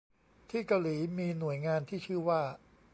ที่เกาหลีมีหน่วยงานที่ชื่อว่า